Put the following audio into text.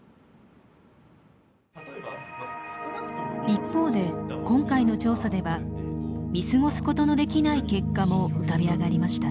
一方で今回の調査では見過ごすことのできない結果も浮かび上がりました。